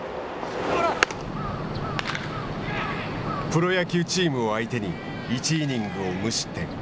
プロ野球チームを相手に１イニングを無失点。